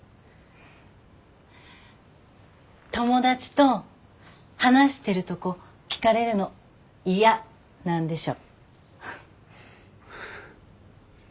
友達と話してるとこ聞かれるの嫌なんでしょ。